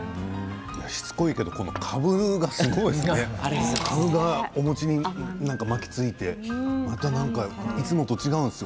しつこいけどこのかぶがすごいねかぶがお餅に巻きついていつもと違うんですよ。